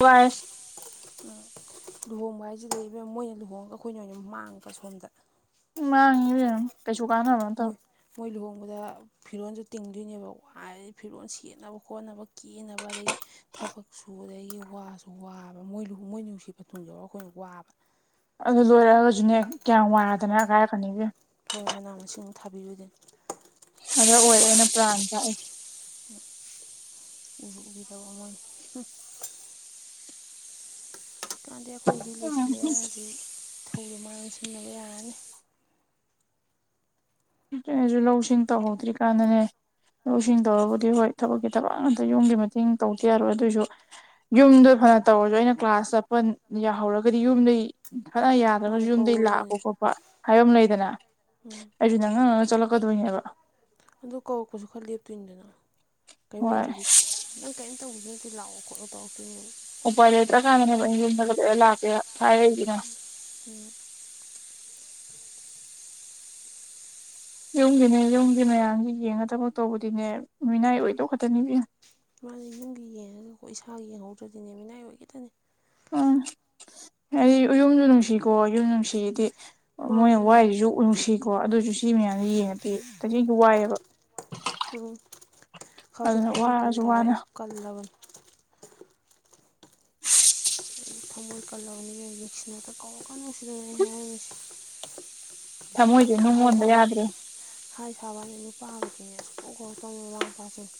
ꯋꯥꯏ ꯂꯨꯍꯣꯡꯕ ꯍꯥꯏꯁꯤ ꯂꯩ ꯃꯣꯏꯅ ꯂꯨꯍꯣꯡꯉꯒ ꯑꯩꯈꯣꯏꯅ ꯑꯣꯏꯅ ꯑꯗꯨꯝ ꯃꯥꯡꯕ ꯁꯣꯝꯗ ꯃꯥꯉꯕ ꯃꯣꯏ ꯃꯣꯏ ꯂꯨꯍꯣꯡꯕꯗ ꯐꯤꯔꯣꯜꯁꯨ ꯇꯤꯡꯗꯣꯏꯅꯦꯕ ꯋꯥꯏꯗꯤ ꯐꯤꯔꯣꯜ ꯁꯦꯠꯅꯕ ꯈꯣꯠꯅꯕ ꯀꯦꯅꯕ ꯑꯗꯒꯤ ꯊꯕꯛ ꯁꯨ ꯑꯗꯨꯗꯒꯤ ꯋꯥꯁꯨ ꯋꯥꯕ ꯃꯣꯏ ꯃꯣꯏ ꯅꯨꯡꯁꯤꯕ ꯊꯨꯡ ꯌꯧꯔꯒ ꯑꯩꯈꯣꯏꯅ ꯋꯥꯕ ꯑꯗꯨ ꯂꯣꯏꯔꯛꯑꯒꯁꯨꯅꯦ ꯀꯌꯥꯝ ꯋꯥꯏꯗꯅ ꯀꯥꯏꯔ ꯐꯅꯤꯕꯨ ꯍꯣꯏ ꯃꯅꯥ ꯃꯁꯤꯡꯃꯨꯛ ꯊꯥꯕꯤꯕꯗꯅꯤ ꯑꯗꯨꯗ ꯑꯣꯏꯔꯅ ꯄ꯭ꯔꯥꯥꯟ ꯆꯥꯛꯏꯖꯦ ꯎꯕꯨ ꯎꯕꯤꯗꯕ ꯃꯣꯏꯅ ꯇꯥꯟꯗꯦ ꯑꯩꯈꯣꯏꯗꯤ ꯂꯣꯏꯁꯤꯜꯂꯛꯑꯦ ꯍꯧꯖꯤꯛ ꯏꯊꯧꯗꯣ ꯃꯥꯏ ꯑꯣꯟꯁꯤꯟꯅꯕ ꯌꯥꯔꯅꯤ ꯑꯩꯁꯨ ꯂꯧꯁꯤꯡ ꯇꯧꯍꯧꯗ꯭ꯔꯤ ꯀꯥꯟꯗꯅꯦ ꯂꯧꯁꯤꯡ ꯇꯧꯔꯒꯕꯨꯗꯤ ꯍꯣꯏ ꯊꯕꯛꯀꯤ ꯊꯕꯛ ꯉꯛꯇꯅꯤ ꯌꯨꯝꯒꯤ ꯃꯇꯦꯡ ꯇꯧꯗꯤ ꯌꯥꯔꯣꯏ ꯑꯗꯨꯑꯣꯏꯁꯨ ꯌꯨꯝꯗ ꯐꯅ ꯇꯧꯔꯁꯨ ꯑꯩꯅ ꯀ꯭ꯂꯥꯁ ꯆꯠꯄ ꯌꯥꯍꯧꯔꯒꯗꯤ ꯌꯨꯝꯗꯩ ꯐꯅ ꯌꯥꯗ꯭ꯔꯒ ꯃꯥꯅ ꯌꯨꯝꯗꯩ ꯂꯥꯛꯄ ꯀꯧꯔꯛꯑꯣꯏꯗꯣꯏꯅꯦ ꯈꯣꯠꯄ ꯍꯥꯏꯕ ꯑꯃ ꯂꯩꯗꯅ ꯑꯩꯁꯨ ꯅꯪꯅ ꯅꯪꯅ ꯠꯂꯛꯀꯗꯣꯏꯅꯦꯕ ꯑꯗꯣ ꯀꯧꯔꯛꯄꯁꯨ ꯈꯔ ꯂꯦꯞꯇꯣꯏꯅꯤꯗꯅ ꯀꯔꯤꯝ ꯍꯣꯏ ꯂꯩꯇ꯭ꯔꯗꯤ ꯅꯪ ꯀꯔꯤꯝ ꯇꯧꯕꯁꯨ ꯅꯠꯇꯦ ꯑꯗꯨ ꯂꯥꯛꯑꯣ ꯈꯣꯠꯂꯣ ꯇꯧꯔꯛ ꯎꯄꯥꯏ ꯂꯩꯇ꯭ꯔ ꯀꯥꯥꯟꯗꯅꯦꯕ ꯑꯩꯅ ꯌꯨꯝꯗꯒ ꯀꯨꯍꯔ ꯂꯥꯛꯀꯦ ꯍꯥꯏꯔꯛꯏꯖꯤꯅ ꯎꯝ ꯌꯨꯝꯒꯤꯅꯦ ꯌꯨꯝꯒꯤ ꯃꯌꯥꯝꯁ ꯌꯦꯡꯉ ꯊꯕꯛ ꯇꯧꯕꯗꯤꯅꯦ ꯃꯤꯅꯥꯏ ꯑꯣꯏꯗꯧ ꯈꯛꯇꯅꯤ ꯏꯕꯦꯝꯃ ꯃꯥꯅ ꯌꯨꯝꯒꯤ ꯌꯦꯡꯉꯒꯀꯣ ꯏꯁꯥꯒꯤ ꯌꯦꯡꯍꯧꯗ꯭ꯔꯗꯤꯅꯦ ꯃꯤꯅꯥꯏ ꯑꯣꯏꯒꯗꯅꯦ ꯎꯝ ꯍꯥꯏꯗꯤ ꯌꯨꯝꯁꯨ ꯅꯨꯡꯁꯤꯀꯣ ꯌꯨꯝ ꯅꯨꯡꯁꯤꯗꯤ ꯃꯣꯏꯅ ꯃꯥꯅꯦ ꯃꯥꯅꯦ ꯋꯥꯏꯁꯤꯁꯨ ꯎꯅꯨꯡꯁꯤꯀꯣ ꯑꯗꯨꯁꯨ ꯁꯤ ꯃꯌꯥꯝꯗ ꯌꯦꯡꯉꯗꯦ ꯀꯔꯤ ꯋꯥꯏꯑꯦꯕ ꯎ ꯈꯔꯁꯨ ꯑꯗꯨꯅ ꯊꯃꯣꯏꯣꯏ ꯀꯟ ꯋꯥꯔꯁꯨ ꯇꯥꯔꯦ ꯋꯥꯅ ꯑꯩꯁꯨ ꯀꯜꯂꯕꯅꯤ [inaudible] ꯊꯃꯣꯏ ꯀꯜꯂꯕꯅꯤꯕ ꯌꯦꯡꯁꯤꯟꯅꯇ ꯀꯧꯔꯀꯥꯅꯣ ꯁꯤꯗꯅ ꯑꯩ ꯍꯥꯏꯔꯝꯃꯤꯁꯦ ꯊꯃꯣꯏꯁꯦ ꯍꯥꯏ ꯅꯨꯡꯉꯣꯟꯕ ꯁꯕꯟ ꯌꯥꯗ꯭ꯔꯦ ꯍꯥꯏ ꯁꯕ ꯄꯥꯒꯗꯤꯅꯦ ꯑꯁꯨ ꯀꯣꯛ ꯀꯧ ꯇꯧꯅꯤ ꯃꯃꯥ ꯃꯄꯥꯁꯤꯡ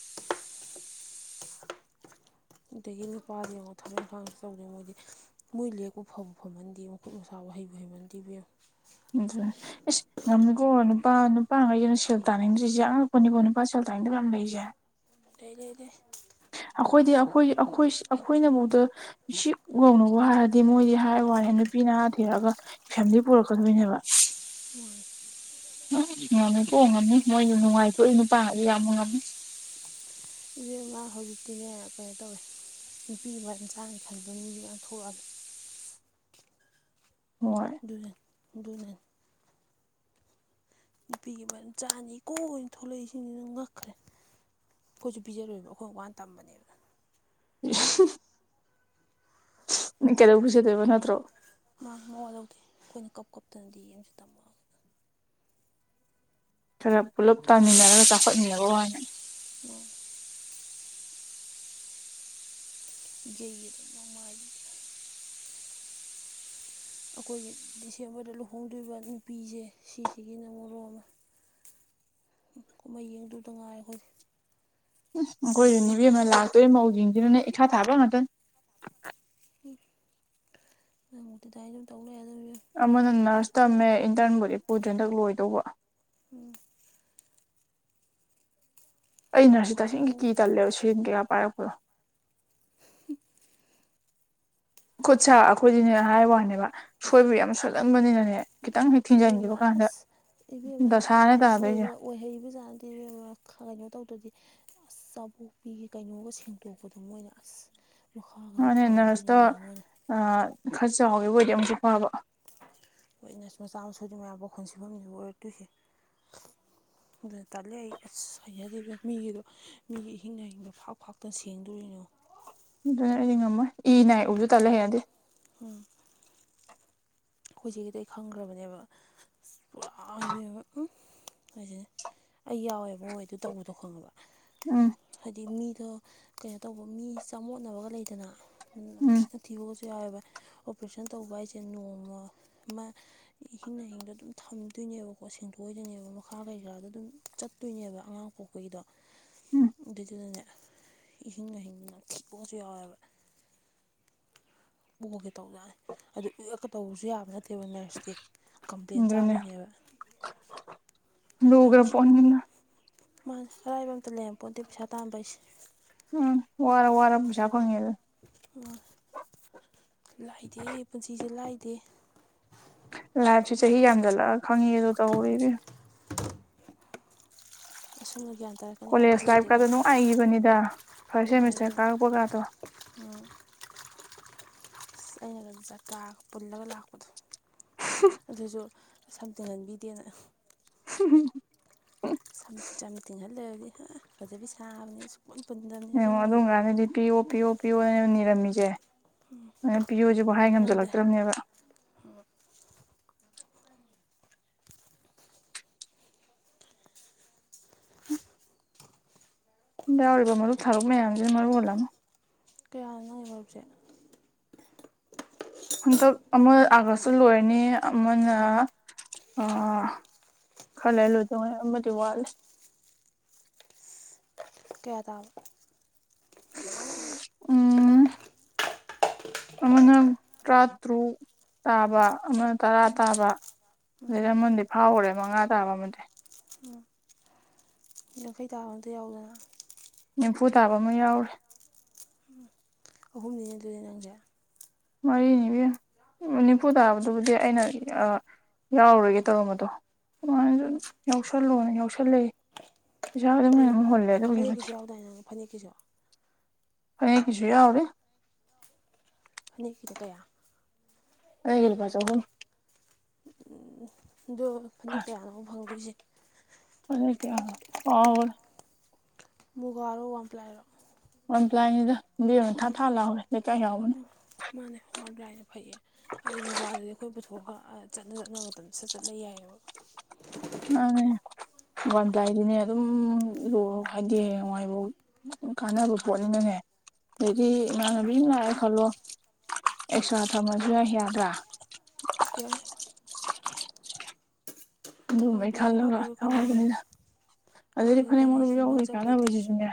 ꯑꯗꯒꯤ ꯅꯨꯄꯥꯁ ꯌꯦꯡꯉꯣ ꯊꯕꯛ ꯏꯪꯈꯥꯡ ꯇꯧꯗꯦ ꯃꯣꯏꯗꯤ ꯃꯣꯏ ꯂꯦꯛꯄꯨ ꯐꯕꯨ ꯐꯝꯃꯟꯗꯦ ꯃꯈꯨꯠ ꯃꯁꯥꯕ ꯍꯩꯕꯨ ꯍꯩꯃꯟꯗꯦ ꯏꯕꯦꯝꯃ ꯑꯗꯨꯅꯦ ꯏꯁ ꯉꯝꯅꯤꯀꯣ ꯅꯨꯄꯥ ꯅꯨꯄꯥꯉꯩꯁꯤꯅ ꯁꯦꯜ ꯇꯥꯅꯤꯡꯗ꯭ꯔꯤꯁꯦ ꯑꯉꯛꯄꯅꯤꯀꯣ ꯅꯨꯄꯥ ꯁꯦꯜ ꯇꯥꯅꯤꯡꯗꯕ ꯌꯥꯝ ꯂꯩꯁꯦ ꯂꯩ ꯂꯩ ꯂꯩ ꯑꯩꯈꯣꯏꯗꯤ ꯑꯩꯈꯣꯏ ꯑꯩꯈꯣꯏ ꯑꯩꯈꯣꯏꯅ ꯃꯨꯗ ꯁꯤ ꯌꯧꯅ ꯋꯥꯔꯗꯤ ꯃꯣꯏꯗꯤ ꯍꯥꯏ ꯋꯥꯏ ꯑꯦ ꯅꯨꯄꯤ ꯅꯍꯥ ꯊꯤꯔꯛꯑꯒ ꯐꯦꯃꯤꯂꯤ ꯄꯨꯔꯛꯀꯗꯣꯏꯅꯦꯕ ꯃꯣꯏ ꯉꯝꯃꯤꯀꯣ ꯉꯝꯃꯤ ꯃꯣꯏ ꯅꯨꯡꯉꯥꯏꯊꯣꯛꯏꯕ ꯅꯨꯄꯥꯒꯗꯤ ꯌꯥꯝꯕ ꯉꯝꯃꯤ ꯏꯕꯦꯝꯃ ꯍꯧꯖꯤꯛꯇꯤꯅꯦ ꯀꯩꯅꯣ ꯇꯧꯋꯦ ꯅꯨꯄꯤ ꯃꯔꯝ ꯆꯥꯅꯤ ꯈꯟꯕ ꯃꯤꯁꯨ ꯃꯌꯥꯝ ꯊꯣꯛꯂꯛꯑꯗ ꯍꯣꯏ ꯑꯗꯨꯅꯅꯦ ꯑꯗꯨꯅ ꯅꯨꯄꯤꯒꯤ ꯃꯔꯝ ꯆꯥꯅꯤ ꯀꯣꯛꯅ ꯊꯣꯛꯂꯛꯏꯁꯤꯡꯁꯤꯅ ꯉꯛꯈ꯭ꯔꯦ ꯑꯩꯈꯣꯏꯁꯨ ꯄꯤꯖꯔꯣꯏꯕ ꯑꯩꯈꯣꯏ ꯋꯥꯅ ꯇꯝꯕꯅꯦꯕ ꯀꯩꯗꯧ ꯄꯨꯖꯗꯣꯏꯕ ꯅꯠꯇ꯭ꯔꯣ ꯃꯥꯅꯦ ꯃꯧꯋꯥꯂꯧꯗꯦ ꯑꯩꯈꯣꯏꯅ ꯀꯞ ꯀꯞꯇꯅ ꯗꯤꯑꯦꯝꯒ ꯇꯝꯃꯒ ꯈꯔ ꯄꯨꯜꯂꯞ ꯇꯥꯃꯤꯟꯅꯔꯒ ꯆꯥꯎꯈꯠꯃꯤꯅꯕ ꯋꯥꯅꯤ ꯑꯣ ꯌꯩꯒꯗꯕꯅꯤ ꯃꯃꯥꯗꯨꯗ ꯑꯩꯈꯣꯏꯒꯤ ꯗꯤꯁꯦꯝꯕꯔꯗ ꯂꯨꯍꯣꯡꯗꯣꯔꯤꯕ ꯅꯨꯄꯤꯖꯦ ꯁꯤꯁꯤꯒꯤꯅ ꯃꯣꯔꯣ ꯑꯃ ꯀꯨꯝꯍꯩ ꯌꯦꯡꯗꯗ ꯉꯥꯏꯔꯦ ꯑꯩꯈꯣꯏꯗꯤ ꯎ ꯑꯩꯈꯣꯏꯔ ꯅꯤꯕꯤ ꯑꯃ ꯂꯥꯛꯇꯣꯏ ꯃꯧꯁꯤꯡꯁꯤꯅꯅꯦ ꯏꯈꯥ ꯊꯥꯕ ꯉꯥꯛꯇꯅꯤ ꯅꯪꯕꯨꯗꯤ ꯑꯗꯨꯃꯥꯏꯅ ꯑꯗꯨꯝ ꯇꯧ ꯂꯩꯔ ꯑꯃꯅ ꯅꯔꯁ ꯇꯝꯃꯦ ꯏꯟꯇꯔꯟꯕꯨꯗꯤ ꯄꯨꯗ꯭ꯔꯔꯤ ꯍꯟꯗꯛ ꯂꯣꯏꯗꯧꯕ ꯑꯣ ꯑꯩ ꯅꯔꯁꯤ ꯇꯁꯦꯡꯒꯤ ꯃꯧ ꯀꯤ ꯇꯜꯂꯦꯕ ꯁꯤꯟ ꯀꯌꯥ ꯄꯥꯏꯔꯛꯄꯅꯣ [inaudible] ꯈꯨꯠ ꯁꯥꯥ ꯑꯩꯈꯣꯏꯗꯤꯅꯦ ꯍꯥꯏ ꯋꯥꯅꯦꯕ ꯁꯣꯏꯕ ꯌꯥꯝ ꯁꯣꯏꯜꯂꯝꯕꯅꯤꯅꯅꯦ ꯍ ꯊꯤꯡꯖꯥꯏꯅꯤꯡꯕ ꯏꯕꯦꯝꯃ ꯀꯥꯟꯗ ꯑꯁ ꯏꯕꯦꯝꯃ ꯗꯁꯥꯅꯦ ꯅꯔꯁ ꯇꯥꯗꯣꯏꯁꯦ ꯑꯣꯏꯕꯒ ꯑꯣꯏꯍꯩ ꯏꯕꯖꯥꯠꯅꯇꯦ ꯏꯕꯦꯝꯃ ꯀꯩꯅꯣ ꯇꯧꯗꯗꯤ ꯑꯁ ꯆꯥꯕꯣꯛꯄꯤꯒꯤ ꯀꯩꯅꯣꯒ ꯁꯦꯡꯗꯣꯛꯄꯗꯣ ꯃꯣꯏꯅ ꯑꯁ ꯃꯈꯥꯒꯗꯣ ꯃꯥꯅꯦ ꯐꯥꯟꯗꯣꯏꯅꯦ ꯅꫪꯁꯇꯣ ꯏꯕꯦꯝꯃ ꯃꯣꯏꯅ ꯈꯔ ꯆꯥꯎꯋꯦꯕ ꯑꯣꯏꯗꯤ ꯑꯃꯨꯛꯁꯨ ꯐꯕ ꯍꫭꯏ ꯅꫪꯁꯨꯃꯆꯥ ꯃꯁꯨꯗꯤ ꯃꯌꯥꯝ ꯄꯥꯈꯣꯟꯁꯤꯐꯝꯅꯤ ꯑꯣꯏꯔꯛꯇꯣꯏꯁꯦ ꯑꯗꯨꯅ ꯇꯥꯜꯂꯦ ꯑꯩ ꯑꯁ ꯍꯩꯅꯗꯦ ꯏꯕꯦꯝ ꯃꯤꯒꯤꯗꯣ ꯃꯤꯒꯤ ꯏꯍꯤꯡ ꯅꯍꯤꯡꯗꯣ ꯐꯥꯛ ꯐꯥꯛꯇꯅ ꯁꯦꯡꯗꯣꯅꯤ [unintelligible] ꯑꯗꯨꯅ ꯑꯩꯗꯤ ꯉꯝꯃꯣꯏ ꯏ ꯅꯥꯏ ꯎꯕꯁꯨ ꯇꯜꯂꯦ ꯍꯩꯅꯗꯦ ꯎꯝ ꯑꯩꯈꯣꯏꯁꯦꯒꯤꯗ ꯑꯩ ꯈꯪꯈ꯭ꯔꯕꯅꯦꯕ ꯑꯁ ꯄꯨꯔꯥ ꯏꯕꯦꯝꯃ ꯎꯝ ꯍꯥꯏꯁꯤꯅꯦ ꯑꯩ ꯌꯥꯎꯋꯦꯕ ꯃꯣꯏ ꯑꯗꯨ ꯇꯧꯕꯗꯣ ꯈꯪꯉꯕ ꯎꯝ ꯍꯥꯏꯗꯤ ꯃꯤꯗꯣ ꯀꯩꯅꯣ ꯇꯧꯕ ꯃꯤ ꯆꯥꯃꯣꯠꯅꯕꯒ ꯂꯩꯗꯅ ꯃꯅꯝ ꯅꯝꯊꯤ ꯎꯝ ꯅꯝꯊꯤꯕꯒꯁꯨ ꯌꯥꯎꯋꯦꯕ ꯑꯣꯄꯔꯦꯁꯟ ꯇꯧꯕ ꯍꯥꯏꯁꯦ ꯅꯣꯡꯃ ꯃ ꯏꯍꯤꯡꯅꯍꯤꯡꯗꯣ ꯑꯗꯨꯝ ꯊꯝꯗꯣꯏꯅꯦꯕꯀꯣ ꯁꯦꯡꯗꯣꯛꯏꯗꯣꯏꯅꯦꯕ ꯃꯈꯥ ꯀꯩꯀꯥꯗꫭ ꯑꯗꯨꯝ ꯆꯠꯇꯣꯏꯅꯦꯕ ꯑꯉꯥꯡ ꯄꯣꯛꯄꯒꯤꯗꯣ ꯎꯝ ꯑꯗꯨꯗꯨꯗꯅꯦ ꯏꯍꯤꯡꯅꯍꯤꯡ ꯅꯝꯊꯤꯕꯀꯁꯨ ꯌꯥꯎꯋꯦꯕ ꯑꫭꯒꯦ ꯇꯧꯖꯅꯦ ꯑꯗꯨ ꯑꫭꯛꯀ ꯇꯧꯕꯁꯨ ꯌꯥꯕ ꯅꯠꯇꯦꯕ ꯅꫪꯁꯇꯤ ꯀꯝꯄ꯭ꯂꯦꯟ ꯑꯗꯨꯅꯦ ꯆꯥꯗꯣꯏꯅꯦꯕ ꯌꯥꯝ ꯂꯨꯒ꯭ꯔ ꯊꯤ ꯄꫭꯠꯅꯤꯅꯦ ꯃꯥꯅꯦ ꯑꯔꯥꯏꯕ ꯑꯝꯇ ꯂꯩꯔꯝ ꯄꯣꯠꯇꯦ ꯄꯩꯁꯥ ꯇꯥꯟꯕꯩꯁꯦ ꯎꯝ ꯋꯥꯔ ꯋꯥꯔ ꯄꯩꯁꯥ ꯐꯪꯉꯦꯗꯨꯅꯤ ꯑꯣ ꯂꯥꯏꯗꯦ ꯄꯨꯟꯁꯤꯁꯦ ꯂꯥꯏꯗꯦ ꯂꯥꯏꯞꯁꯦ ꯆꯍꯤ ꯌꯥꯝꯖꯜꯒ ꯈꯪꯉꯤꯗꫭ ꯇꯧꯔꯦ ꯏꯕꯦꯝꯃ ꯑꯁꯨꯝꯕ ꯒ꯭ꯌꯥꯟ ꯇꯥꯔꯛꯀꯅꯤ ꯀꯥꯏ ꯀꯣꯂꯦꯖ ꯈꯜꯂꯨꯗꯦ ꯂꯥꯏꯐꯀꯗꯣ ꯀꯥꯏ ꯅꯨꯡꯉꯥꯏꯈꯤꯕꯅꯤꯗ ꯐꯥꫪꯁ ꯁꯦꯃꯤꯁꯇꫪ ꯀꯥꯔꯛꯄꯒꯗꯣ ꯎꯝ ꯑꯁ ꯑꯩꯅꯒ ꯆꯀꯥ ꯄꯨꯜꯂꯒ ꯂꯥꯛꯄꯗꯣ ꯑꯗꯨꯁꯨ ꯁꯝꯇꯤꯡꯍꯟꯕꯤꯗꯦꯅ [unintelligible] ꯁꯝ [unintelligible] ꯇꯤꯡꯍꯜꯂꫭꯔꯗꯤ ꯐꯖꯕꯤ ꯁꯥꯕꯅꯤ ꯑꯩꯁꯨ ꯑꯦꯡꯉꫭ ꯑꯗꯨꯀꯥꯟꯗꯗꯤ ꯄꯤꯌꫭ ꯄꯤꯌꫭ ꯄꯤꯌꯣꯅ ꯅꯤꯔꯝꯃꯤꯁꯦ ꯑꯩꯅ ꯄꯤꯌꯣꯁꯤꯕꯨ ꯇꯤꯡꯕ ꯍꯥꯏ ꯉꯝꯗ꯭ꯔꯦ ꯉꯝꯖꯤꯜꯂꯛꯇ꯭ꯔꯕꯅꯦꯕ ꯌꯥꯎꯔꯤꯕ ꯃꯔꯨꯞ ꯊꯔꯨꯞ ꯃꯌꯥꯝꯁꯤꯅ ꯃꯔꫭꯜ ꯑꯃ ꯀꯌꯥꯅꯣ ꯅꯪ ꯃꯔꯨꯞꯁꯦ ꯍꯟꯗꯛ ꯑꯃ ꯑꯒꯨꯁꯇ ꯂꯣꯏꯔꯅꯤ ꯑꯃꯅ ꯈꯂꯩꯔ ꯂꫭꯏꯗꫭꯏꯅꯤ ꯑꯃꯗꯤ ꯋꯥꯠꯂꯤ ꯀꯌꯥ ꯇꯥꯕ ꯎꯝ ꯑꯃꯅ ꯇꯔꯥꯇꯔꯨꯛ ꯇꯥꯕ ꯑꯃꯅ ꯇꯔꯥ ꯇꯥꯕ ꯑꯗꯨꯗꯩ ꯑꯃꯟꯗꯤ ꯐꯥꯎꯈꯔꯦ ꯃꯉꯥ ꯇꯥꯕ ꯑꯃꯗꯤ ꯌꯥꯡꯈꯩ ꯇꯥꯕ ꯑꯝꯇ ꯌꯥꯎꯗꯅ ꯅꯤꯝꯐꯨ ꯊꯥꯕ ꯑꯃ ꯌꯥꯎꯔꯦ ꯑꯍꯨꯝꯅꯤꯅꯦ ꯑꯗꯨꯅꯦ ꯅꯪꯗꯤ ꯃꯔꯤꯅꯤ ꯏꯕꯦꯝ ꯎꯝ ꯅꯤꯝꯐꯨ ꯇꯥꯕꯗꯨꯕꯨꯗꯤ ꯑꯩꯅ ꯌꯥꯎꯔꯔꯒꯦ ꯇꯧꯔꯝꯕꯗꯣ ꯑꯈꫭꯏꯃꯥꯅꯁꯨ ꯌꯥꯎꯁꯜꯂꯣꯅ ꯌꯥꯎꯁꯜꯂꯦ ꯀꯩꯅꯣ ꯐꯅꯦꯛꯀꯤꯁꯨ ꯌꯥꯎꯗꯏ ꯅꯪ ꯐꯅꯦꯛꯀꯤꯁꯨ ꯑꯅꯤꯀꯤꯁꯨꯨ ꯌꯥꯎꯔꯤ ꯐꯅꯦꯛꯀꯤꯅ ꯀꯌꯥ ꯐꯅꯦꯛꯀꯤ ꯂꯨꯄꯥ ꯆꯥꯍꯨꯝ ꯑꯗꯣ ꯐꯅꯦꯛ ꯀꯌꯥꯅꯣꯕ ꯐꯪꯗꯣꯏꯁꯦ ꯐꯅꯦꯛ ꯀꯌꯥꯅꫭ ꯀꯥꯎꯒ꯭ꯔꯦ ꯃꯨꯒꯥꯔꯣ ꯋꯥꯟꯄ꯭ꯂꯥꯏꯔꯣ ꯋꯟꯄ꯭ꯂꯥꯏꯅꯦꯗ ꯎ ꯎꯝ ꯃꯥꯅꯦ ꯋꯥꯋꯥꯕ ꯂꯥꯏꯅ ꯐꯩꯌꯦ ꯑꯩ ꯃꯨꯒꯥꯗꯨꯗꯤ ꯑꯩꯈꯣꯏ ꯄꯨꯊꯣꯛ ꯊꯣꯛꯑꯒ ꯆꯠꯅ ꯆꯠꯅꯕ ꯃꯇꯝ ꯁꯠ ꯆꯠꯂ ꯂꯩ ꯌꯥꯏꯑꯦꯕ ꯃꯅꯦ ꯋꯥꯟꯄꯥ꯭ꯏꯟ ꯗꯤꯅꯦ ꯑꯗꯨꯝ ꯍꯥꯏꯗꯤ ꯍꯌꯦꯡꯋꯥꯢ ꯐꯥꯎ ꯀꯥꯟꯅꯕ ꯄꯣꯠꯅꯤꯅꯅꯦ ꯍꯥꯏꯗꯤ ꯃꯥꯅꯕꯤ ꯑꯀ ꯂꯛꯑꯦ ꯈꯜꯂꯣ ꯑꯦꯛꯁꯇꯔ ꯊꯝꯃꯁꯨ ꯌꯥꯢ ꯌꯥꯗꯔꯥ ꯌꯥꯏ ꯩ ꯋꯥꯟ ꯑꯗꯨꯝꯕꯩ ꯄ꯭ꯂꯥꯏꯁꯦ ꯈꯜꯂ ꯍꯥꯞꯄꯤꯒ ꯀꯥꯟꯅꯩꯁꯦ ꯂꯧꯕꯅꯤꯗ ꯑꯗꯨꯗꯗꯤ ꯍꯥꯞꯄꯤꯒ ꯐꯅꯦꯛ ꯃꯔꯨꯝ ꯀꯥꯟꯅꯩꯁꯤꯗ ꯌꯥꯎꯕꯒꯤ ꯃꯥꯡꯖꯕ ꯂꯩꯇꯦ ꯀꯥꯟꯅꯕ ꯖꯤꯁꯨ ꯅꯦ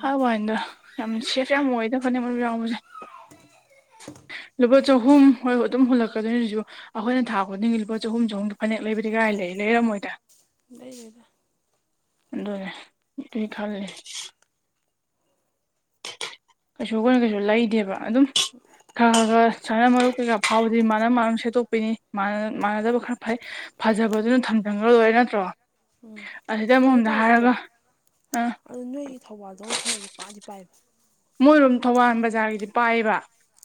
ꯍꯥꯏꯕ ꯋꯅꯤꯗ ꯌꯥꯝ ꯁꯦꯐ ꯌꯥꯝ ꯑꯣꯏꯗ ꯐꯅꯦꯛ ꯃꯔꯨꯞ ꯌꯥꯎꯕꯁꯦ [unintelligible] ꯂꯨꯄꯥ ꯆꯍꯨꯝ ꯍꯣꯏ ꯑꯗꯨꯝ ꯍꯨꯜꯂꯛꯀꯣꯏꯅꯤ ꯑꯗꯨꯁꯨ ꯑꯩꯈꯣꯏꯅ ꯊꯥ ꯈꯨꯗꯤꯡꯒꯤ ꯂꯨꯄꯥ ꯆꯍꯨꯝ ꯆꯍꯨꯝꯗ ꯐꯅꯦꯛ ꯂꯩꯕꯗꯤ ꯀꯥꯏ ꯀꯥꯏ ꯂꯩ ꯂꯩꯔꯝꯃꯣꯏꯗ ꯂꯩꯗꯦꯗ ꯑꯗꯨꯅꯦ ꯑꯗꯨꯢ ꯈꯜꯂꯤ ꯀꯩꯁꯨ ꯈꯣꯢꯅ ꯀꯩꯁꯨ ꯂꯩꯗꯦꯕ ꯑꯗꯨꯝ ꯈꯔ ꯈꯔ ꯈꯔ ꯁꯅ ꯃꯔꯨꯞ ꯀꯩꯀꯥ ꯐꯥꯎꯕꯗꯤ ꯃꯥꯅ ꯃꯥꯅ ꯁꯦꯠꯇꯣꯛꯄꯤꯅꯤ ꯃꯥꯟꯅꯗꯕ ꯈꯔ ꯐꯩ ꯐꯖꯕꯗꯨꯅ ꯊꯝꯖꯈ꯭ꯔ ꯂꯣꯏꯔꯦ ꯅꯠꯇ꯭ꯔꯣ ꯎꯝ ꯑꯁꯤꯗ ꯀꯩꯅꯣ ꯑꯃꯔꯣꯝꯗ ꯇꯧꯋꯦ ꯑꯗꯣ ꯍꯥꯏꯔꯒ ꯑ ꯑꯣ ꯅꯣꯏꯒꯤ ꯊꯧꯕꯥꯜꯗꯧꯛ ꯐꯅꯦꯛꯁꯦ ꯄꯥꯗꯤ ꯄꯥꯏꯕ ꯃꯣꯏꯔꯣꯝ ꯊꯧꯕꯥꯜ ꯕꯖꯥꯔꯒꯤꯗꯤ ꯄꯥꯏꯌꯦꯕ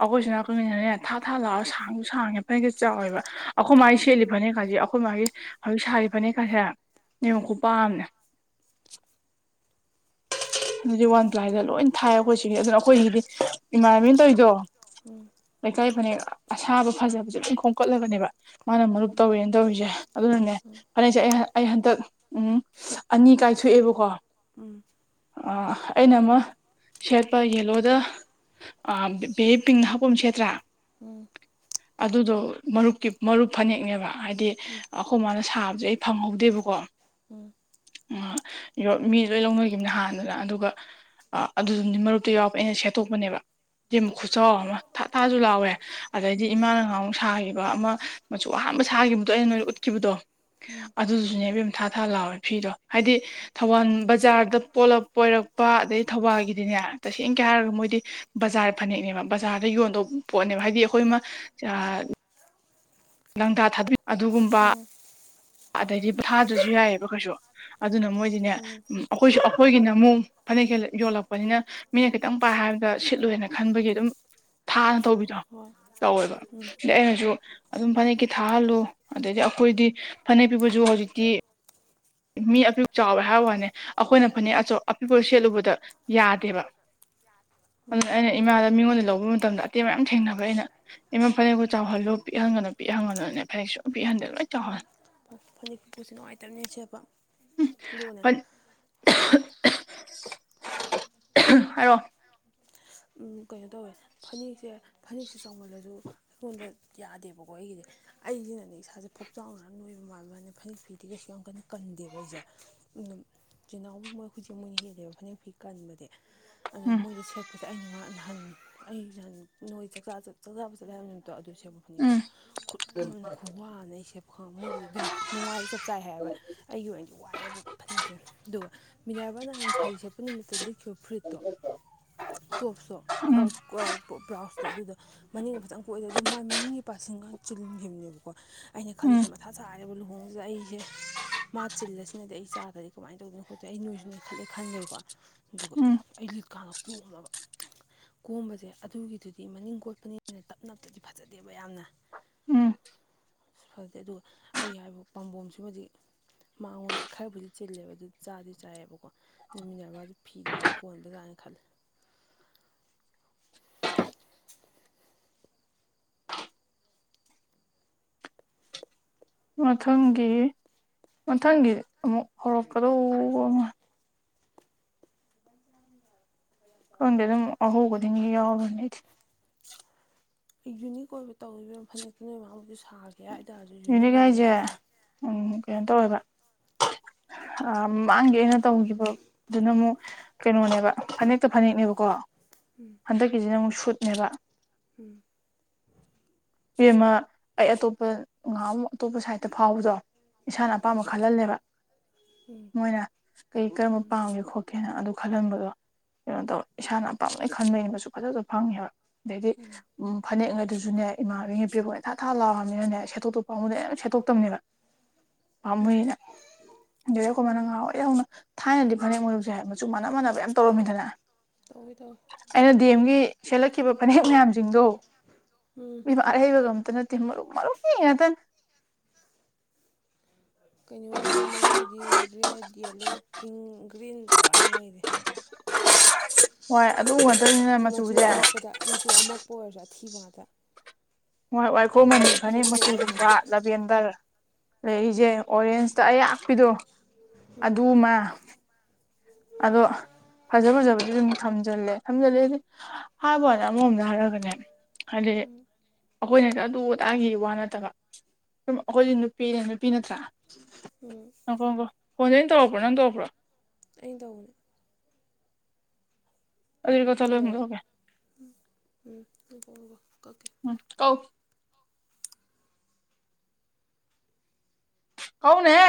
ꯑꯩꯈꯣꯏꯁꯨ ꯎꯝ ꯅꯥꯀꯅꯤꯅꯅꯦ ꯊꯥ ꯊꯥ ꯂꯥꯎꯔꯒ ꯁꯥꯡꯁꯨ ꯁꯥꯡꯉꯦ ꯐꯅꯦꯛ ꯆꯥꯎꯋꯦꯕ ꯑꯩꯈꯣꯏ ꯃꯥꯏꯅ ꯎꯝ ꯁꯦꯠꯂꯤ ꯐꯅꯦꯛ ꯀꯖꯦ ꯑꯩꯈꯣꯏ ꯃꯥꯒꯤ ꯍꯧꯖꯤꯛ ꯁꯥꯔꯤꯕ ꯐꯅꯦꯛꯀꯥꯁꯦ ꯌꯦꯡꯉꯨ ꯎꯝ ꯈꯨꯄꯥꯛꯑꯝꯅꯦ ꯑꯗꯨꯗꯤ ꯋꯥꯟ ꯄ꯭ꯂꯥꯏꯗ ꯂꯣꯏ ꯊꯥꯏ ꯑꯩꯈꯣꯏꯁꯤꯒꯤ ꯑꯗꯨꯅ ꯑꯩꯈꯣꯏꯒꯤꯗꯤ ꯏꯃꯟꯅꯕꯤꯅ ꯇꯧꯔꯤꯗꯣ ꯂꯩꯀꯥꯏ ꯐꯅꯦꯛ ꯑꯁꯥꯕ ꯐꯖꯕꯁꯦ ꯂꯣꯢ ꯈꯣꯝꯀꯠꯂꯒꯅꯦꯕ ꯃꯥꯅ ꯃꯔꯨꯞ ꯎꯝ ꯇꯧꯋꯦꯅ ꯇꯧꯔꯤꯁꯦ ꯑꯗꯨꯅꯅꯦ ꯐꯅꯦꯛꯁꯦ ꯑꯩ ꯑꯩ ꯍꯟꯗꯛ ꯎꯝ ꯑꯅꯤ ꯀꯥꯏ ꯁꯣꯛꯑꯦꯕꯀꯣ ꯎꯝ ꯑ ꯑꯩꯅ ꯑꯃ ꯁꯦꯠꯄ ꯌꯦꯂꯣꯗ ꯑ ꯕꯦꯕꯤ ꯄꯤꯡꯅ ꯍꯥꯛꯄ ꯑꯃ ꯁꯦꯠꯇ꯭ꯔ [inaudible] ꯑꯗꯨꯗꯣ ꯃꯔꯨꯞꯀꯤ ꯃꯔꯨꯞ ꯐꯅꯦꯛꯅꯦꯕ ꯍꯥꯏꯗꯤ ꯑꯩꯈꯣꯏ ꯃꯥꯅ ꯁꯥꯕꯁꯦ ꯑꯩ ꯐꯪꯍꯧꯗꯦꯕꯀꯣ ꯎꯝ ꯑ ꯌ ꯃꯤ ꯂꯣꯏ ꯂꯧꯅ ꯅꯍꯥꯟꯗꯨꯅ ꯑꯗꯨꯒ ꯑꯗꯨꯗꯤ ꯃꯔꯨꯞꯇꯣ ꯌꯥꯎꯔꯛ ꯑꯩꯅ ꯁꯦꯠꯇꯣꯛꯄꯅꯦꯕ ꯢꯕꯦꯝꯃ ꯈꯨꯠꯆꯧ ꯑꯃ ꯊꯥ ꯊꯥꯁꯨ ꯂꯥꯎꯋꯦ ꯑꯗꯩꯗꯤ ꯏꯃꯥꯅ ꯅꯍꯟꯃꯨꯛ ꯁꯥꯈꯤ ꯕ ꯑꯃ ꯃꯆꯨ ꯑꯍꯥꯟꯕ ꯁꯥꯈꯤꯕꯗꯣ ꯑꯩꯅ ꯅꯣꯏꯅ ꯎꯠꯈꯤꯕꯗꯣ ꯑꯗꯨꯗꯨꯁꯨꯅꯦ ꯢꯕꯦꯝꯃ ꯊꯥ ꯊꯥ ꯂꯥꯎꯋꯦ ꯐꯤꯗꯣ ꯍꯥꯏꯗꯤ ꯊꯧꯕꯥꯜ ꯕꯖꯥꯔꯗ ꯄꯣꯂꯞ ꯄꯣꯏꯔꯛꯄ ꯑꯗꯩ ꯊꯧꯕꯥꯜꯒꯤꯗꯤꯅꯦ ꯇꯁꯦꯡꯅꯒꯤ ꯍꯥꯏꯔꯒ ꯃꯣꯏꯗꯤ ꯕꯖꯥꯔ ꯐꯅꯦꯛꯅꯦꯕ ꯕꯖꯥꯔꯗ ꯌꯣꯟꯗꯧꯕ ꯄꯣꯠꯅꯦꯕ ꯍꯥꯏꯗꯤ ꯑꯩꯈꯣꯏꯃ ꯂꯪꯇꯥ ꯊꯥꯕꯤ ꯑꯗꯨꯒꯨꯝꯕ ꯎꯝ ꯎꯝ ꯑꯗꯩꯗꯤ ꯊꯥꯗꯁꯨ ꯌꯥꯏꯌꯦꯕ ꯀꯩꯁꯨ ꯑꯗꯨꯅ ꯃꯣꯏꯗꯤꯅꯦ ꯎꯝ ꯑꯩꯈꯣꯏꯁꯨ ꯑꯩꯈꯣꯏꯒꯤꯅ ꯑꯃꯨꯛ ꯐꯅꯦꯛ ꯌꯣꯜꯂꯛꯄꯅꯤꯅ ꯃꯤꯅ ꯈꯤꯇꯪ ꯄꯥꯏ ꯍꯥꯏꯕꯗ ꯁꯤꯠꯂꯣꯅ ꯈꯟꯕꯒꯤ ꯑꯗꯨꯝ ꯊꯥꯅ ꯇꯧꯕꯤꯗꯣ ꯍꯣꯏ ꯇꯧꯋꯦꯕ ꯎꯝ ꯑꯗꯩ ꯑꯩꯅꯁꯨ ꯑꯗꯨꯝ ꯐꯅꯦꯛꯀꯤ ꯊꯥꯍꯜꯂꯨ ꯑꯗꯩꯗꯤ ꯑꯩꯈꯣꯏꯗꯤ ꯐꯅꯦꯛ ꯄꯤꯛꯄꯁꯨ ꯍꯧꯖꯤꯛꯇꯤ ꯃꯤ ꯑꯄꯤꯛ ꯆꯥꯎꯋꯦ ꯍꯥꯏꯕ ꯋꯥꯅꯦ ꯑꯩꯈꯣꯏꯅ ꯐꯅꯦꯛ ꯑꯆꯧ ꯑꯄꯤꯛꯄ ꯁꯦꯠꯂꯨꯕꯗ ꯌꯥꯗꯦꯕ ꯩꯅ ꯏꯃꯥ ꯃꯤꯉꯣꯟꯗ ꯂꯧꯕ ꯃꯇꯝꯗ ꯑꯇꯦꯟ ꯃꯌꯥꯝ ꯊꯦꯡꯅꯕ ꯑꯩꯅ ꯏꯃ ꯐꯅꯦꯛꯀꯣ ꯆꯥꯎꯍꯜꯂꯨ ꯄꯤꯛꯍꯟꯒꯅꯨ ꯄꯤꯛꯍꯟꯒꯅꯨꯅꯦ ꯐꯅꯦꯛꯁꯨ ꯎ ꯐꯅꯦꯛ ꯐꯄꯤꯛꯄꯁꯦ ꯅꯨꯡꯉꯥꯏꯇꯕꯅꯦ ꯁꯦꯠꯄ ꯑꯗꯨꯒꯅꯦ ꯍꯥꯔꯛꯑꯣ ꯀꯩꯅꯣ ꯇꯧꯋꯦ ꯐꯅꯦꯛꯁꯦ ꯐꯅꯦꯛꯁꯦ ꯆꯥꯎꯃꯜꯂꯁꯨ ꯑꯩꯉꯣꯟꯗ ꯌꯥꯗꯦꯕꯀꯣ ꯑꯩꯒꯤꯗꯤꯦ ꯑꯩꯁꯤꯅꯅꯦ ꯏꯁꯥꯁꯦ ꯐꯣꯞꯆꯥꯎꯅꯔ ꯅꯣꯏꯕ ꯃꯜꯥꯟꯕꯅ ꯐꯅ ꯐꯤꯗꯤ ꯀꯩꯁꯨ ꯌꯥꯝ ꯀꯟꯅ ꯀꯟꯗꯦꯕ ꯑꯩꯁꯦ ꯑꯗꯨ ꯆꯤꯜ ꯏꯅꯥꯎ ꯃꯣꯏ ꯍꯧꯖꯤꯛ ꯃꯣꯏꯅ ꯍꯦꯜꯂꯦꯕ ꯐꯅꯦꯛ ꯐꯦꯛ ꯀꯟꯕꯗꯤ ꯑ ꯑꯗꯨꯅ ꯎꯝ ꯃꯣꯏꯗ ꯁꯦꯠꯄꯁꯦ ꯑꯩꯅ ꯉ ꯅꯍꯥꯟ ꯑꯩ ꯅꯍꯥꯟ ꯅꯣꯏ ꯆꯥꯛꯆꯥ ꯆꯥꯛꯆꯥꯕ ꯆꯠꯂꯦ ꯍꯥꯏꯕ ꯅꯨꯃꯤꯇꯣ ꯑꯗꯨ ꯁꯦꯕ ꯐꯅꯤꯛꯇ ꯎꯝ ꯈꯨꯠꯂꯃꯅ ꯈꯨꯋꯥꯅ ꯑꯩ ꯁꯦꯕ ꯈꯪꯕ ꯃꯣꯏꯁꯨ ꯑꯗꯨꯝ ꯅꯨꯡꯉꯥꯏ ꯆ ꯆꯥꯏ ꯍꯥꯏꯕ ꯑꯩꯒꯤ ꯑꯣꯏꯅꯗꯤ ꯋꯥꯏꯑꯦꯕ ꯐꯅꯦꯛꯁꯦ ꯑꯗꯨꯒ ꯃꯤꯔꯕꯥ ꯅꯍꯥꯟ ꯁꯥꯔꯤ ꯁꯛꯄ ꯅꯨꯃꯤꯠꯇ ꯂꯤꯠꯈꯤꯕ ꯐꯨꯔꯤꯠꯇꯣ ꯇꯣꯞꯁꯨꯇꯣ ꯎꯝ ꯕ꯭ꯔꯥꯎꯖꯇꯣ ꯑꯗꯨꯗꯣ ꯃꯅꯤꯡ ꯈꯤꯇꯪ ꯀꯣꯛꯏꯗꯦ ꯑꯗꯨ ꯃꯥꯏ ꯃꯅꯤꯡ ꯅꯤꯡꯒꯤ ꯄꯥꯛꯁꯤꯡꯒ ꯆꯤꯜꯈꯤꯕꯅꯦꯕꯀꯣ ꯑꯩꯅ ꯎꯝ ꯈꯜꯂꯤꯁꯦ ꯃꯊꯥ ꯆꯥꯏꯔꯦꯕ ꯂꯨꯍꯣꯡꯉꯁꯦ ꯑꯩꯁꯦ ꯃꯥ ꯆꯤꯜꯂꯁꯤꯅꯗꯤ ꯑꯩ ꯆꯥꯗ꯭ꯔꯗꯤ ꯀꯃꯥꯏꯅ ꯇꯧꯗꯅ ꯈꯣꯠꯇꯦ ꯑꯩ ꯅꯣꯏꯁꯤ ꯅ ꯈꯜꯂꯦ ꯈꯟꯂ꯭ꯔꯦꯀꯣ ꯑꯗꯨꯒ ꯎꯝ ꯍꯧꯖꯤꯛ ꯀꯥꯟꯗ ꯀꯣꯜꯂꯕ ꯀꯣꯝꯕꯁꯦ ꯑꯗꯨꯒꯤꯗꯨꯗꯤ ꯃꯅꯤꯡ ꯀꯣꯠꯄꯅꯤꯅ ꯇꯞ ꯅꯞꯇꯗꯤ ꯐꯖꯗꯦꯕ ꯌꯥꯝꯅ ꯎꯝ ꯐꯗꯦ ꯑꯗꯨꯒ ꯑꯩ ꯍꯥꯏꯕ ꯄꯥꯝꯕꯣꯝꯁꯤꯃꯗꯤ ꯃꯉꯣꯟꯗ ꯈꯔꯕꯨꯗꯤ ꯆꯤꯜꯂꯦꯕ ꯑꯗꯨꯗꯤ ꯆꯥꯗꯤ ꯆꯥꯏꯌꯦꯕꯀꯣ ꯅꯨꯃꯤꯠꯟꯅꯕꯗ ꯐꯤꯗꯤ ꯐꯖꯅ ꯀꯣꯟꯕꯖꯥꯅ ꯈꯜꯂꯦ [unintelligible] [inaudible] ꯃꯊꯪꯒꯤ ꯃꯊꯪꯒꯤ ꯑꯃꯨꯛ ꯍꯧꯔꯛꯀꯗ ꯑꯃ ꯀꯗꯗ ꯍꯒꯗꯤ ꯌꯥꯎ ꯌꯨꯅꯤꯛ ꯑꯣꯏꯕ ꯇꯧꯔꯤꯕ ꯐꯅꯦꯛꯛꯇ ꯅꯣꯏ ꯃꯃꯥꯡꯕꯨꯗꯤ ꯁꯥꯦ ꯌꯥꯏꯗꯁꯨ ꯌꯨꯅꯤ ꯌꯨꯅꯤꯛ ꯀꯣꯏ ꯍꯥꯏꯁꯦ ꯃꯆꯨ ꯇꯧ ꯎꯝ ꯀꯩꯅꯣ ꯇꯧꯋꯦꯕ [unintelligible] [inaudible] ꯃꯃꯥꯡꯒꯤ ꯑꯩꯅ ꯇꯧꯈꯤꯕꯗꯨꯅ ꯑꯃꯨꯛ ꯀꯩꯅꯣꯅꯦꯕ ꯐꯅꯦꯛꯇ ꯐꯅꯦꯛꯅꯦꯕꯀꯣ ꯍꯟꯗꯛꯀꯤꯁꯤꯅ ꯑꯃꯨꯛ ꯁꯨꯠꯅꯦꯕ ꯎꯝ [inaudible] ꯏꯕꯦꯝꯃ ꯑꯩ ꯑꯇꯣꯞꯄ ꯅꯥꯍꯥꯟꯃꯨꯛ ꯑꯃ ꯑꯇꯣꯞꯄ ꯁꯥꯏꯗꯠꯇ ꯐꯥꯎꯕꯗꯣ ꯏꯁꯥꯅ ꯑꯄꯥꯝꯕ ꯈꯜꯍꯜꯂꯦꯕ ꯎꯝ ꯃꯣꯏꯅ ꯀꯔꯤ ꯀꯔꯝꯕ ꯎꯝ ꯄꯥꯝꯒꯦ ꯈꯣꯠꯀꯦꯅ ꯑꯗꯨ ꯈꯜꯍꯟꯕꯗꯣ ꯀꯩꯅꯣ ꯇꯧꯔꯦ ꯏꯁꯥꯅ ꯑ ꯄꯥꯅꯩ ꯈꯟꯕꯩꯕꯁꯨ ꯐꯖꯁꯨ ꯐꯪꯉꯦꯕ ꯑꯗꯩꯗꯤ ꯎꯝ ꯎ ꯐꯅꯦꯛꯉꯗꯨꯁꯨꯅꯦ ꯏꯃꯥꯕꯤ ꯅꯨꯄꯤꯕ ꯏꯊꯥ ꯊꯥ ꯂꯥꯎꯔꯕꯃꯤꯅꯤꯅꯅꯦ ꯁꯦꯠꯇꯣꯛꯇ ꯄꯥꯎꯕꯗ ꯌꯥꯝ ꯁꯦꯠꯇꯣꯛꯇꯕꯅꯦꯕ ꯄꯥꯝꯃꯨꯏꯅ ꯎꯝ ꯀꯃꯅꯋꯥꯏ ꯌꯥꯎꯅ ꯊꯥꯏꯅꯗꯤ ꯐꯅꯦꯛ ꯃꯣꯏꯨꯁꯨꯦ ꯍꯥꯏ ꯃꯆꯨ ꯃꯥꯟꯅ ꯃꯥꯟꯅꯕ ꯌꯥꯝ ꯇꯧꯔꯝꯃꯤꯗꯅ ꯑꯣꯗ ꯗꯦꯝꯒꯤ ꯁꯦꯠꯂꯛꯈꯤꯕ ꯐꯅꯦꯛ ꯃꯌꯥꯝꯁꯤꯡꯗꯣ ꯎꯝ ꯃꯤꯃ ꯑꯠꯍꯩꯕꯒ ꯑꯝꯇꯅ ꯃꯔꯨ ꯃꯔꯨ ꯀꯌꯥꯗ ꯀꯩꯅꯣꯒꯤꯗꯤ ꯃꯔꯨꯞꯀꯤꯗꯤ ꯔꯦꯠ ꯌꯦꯜꯂꯣ ꯄꯤꯡ ꯒ꯭ꯔꯤꯟ ꯇꯔꯥꯏꯅ ꯑꯣꯏꯔꯦ ꯋꯥꯏ ꯑꯗꯨ ꯉꯥꯛꯇꯅꯤꯅ ꯑꯩ ꯃꯆꯨ ꯃꯆꯨꯁꯦ ꯑꯃꯛꯄꯗ ꯃꯆꯨ ꯑꯃꯛꯄ ꯑꯣꯏꯔꯁꯨ ꯑꯊꯤꯕ ꯉꯥꯛꯇ ꯃ ꯋꯥꯏꯈꯣ ꯃꯅꯤ ꯍꯧꯖꯤꯛꯇꯤ ꯐꯖ ꯐꯅꯤ ꯐꯖꯕ ꯇꯧꯅꯔꯦ ꯃꯨꯁꯤꯂꯤꯕ ꯂꯕꯦꯟꯗꯔ ꯂꯩꯔꯤꯁꯦ ꯎꯝ ꯑꯣꯔꯦꯟꯖꯇ ꯑꯌꯥꯛꯄꯤꯗꯣ ꯎꯝ ꯑꯗꯨꯃ ꯑꯗꯣ ꯐꯖ ꯐꯖꯕꯗꯨ ꯑꯗꯨꯝ ꯊꯝꯖꯤꯜꯂꯦ ꯊꯝꯖꯤꯜꯂꯦꯗꯤ ꯍꯥꯏꯕꯅꯦ ꯑꯃꯃꯣꯝꯗ ꯍꯥꯏꯔꯛꯒꯅꯦ ꯑꯗꯦ [inaudible] ꯑꯩꯈꯣꯏꯅꯁꯨ ꯑꯗꯨ ꯑꯗꯥꯏꯒꯤ ꯋꯥ ꯅꯠꯇꯕ ꯁꯨꯝ ꯑꯩꯈꯣꯏꯁꯨ ꯅꯨꯄꯤꯅꯦ ꯅꯨꯄꯤ ꯅꯠꯇ꯭ꯔꯥ ꯎꯝ ꯅꯪꯀꯣ ꯅꯪꯀꯣ ꯐꯣꯟꯗꯦ ꯑꯩꯅ ꯇꯧꯔꯛꯄ꯭ꯔꯣ ꯅꯪ ꯇꯧꯔꯄ꯭ꯔꯣ ꯑꯩꯅ ꯇꯧꯕꯅꯦ ꯑꯗꯨꯗꯤ ꯀꯛꯊꯠꯂꯣ ꯑꯃꯨꯛ ꯑꯗꯨꯖꯔꯝ ꯇꯧꯔꯛꯀꯦ ꯎꯝ ꯍꯧꯕ ꯍꯕ ꯑꯣꯀꯦ ꯎꯝ ꯕꯥꯥꯏ ꯀꯛꯎ ꯀꯧꯅꯦ